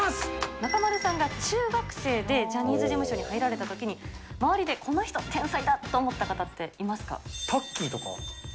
中丸さんが中学生で、ジャニーズ事務所に入られたときに、周りでこの人、タッキーとか。やっぱり違いましたか？